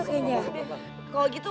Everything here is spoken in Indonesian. kakinya kayaknya kalau gitu